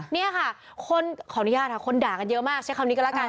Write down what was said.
นี่ค่ะคนขออนุญาตค่ะคนด่ากันเยอะมากใช้คำนี้ก็แล้วกัน